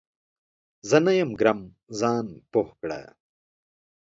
زه نه یم ګرم ، ځان پوه کړه !